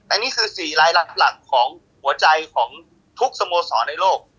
ในนี่คือสี่รายลักษณ์ในของหัวใจทุกสโมสรในโลก